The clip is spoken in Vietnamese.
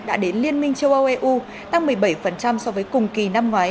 đã đến liên minh châu âu eu tăng một mươi bảy so với cùng kỳ năm ngoái